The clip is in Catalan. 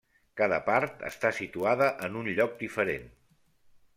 Cada part està situada en un lloc diferent.